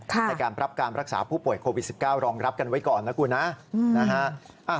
ในการรับการรักษาผู้ป่วยโควิด๑๙รองรับกันไว้ก่อนนะคุณนะ